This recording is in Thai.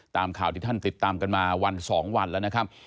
ตามข่าวที่ท่านติดตามกันมาวัน๒วันแล้วนะครับ